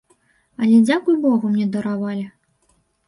Але, дзякуй богу, мне даравалі.